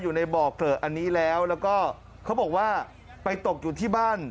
อยู่ในบ่อเกลอะอันนี้แล้วแล้วก็เขาบอกว่าไปตกอยู่ที่บ้าน